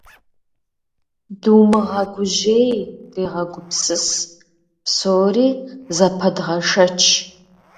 Думыгъэгужьей, дегъэгупсыс, псори зэпэдгъэшэч.